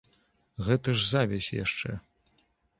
Гэта ж завязь яшчэ.